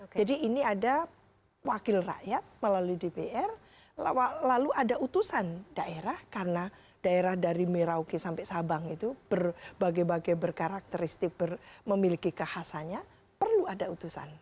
jadi ini ada wakil rakyat melalui dpr lalu ada utusan daerah karena daerah dari merauki sampai sabang itu berbagai bagai berkarakteristik memiliki kehasanya perlu ada utusan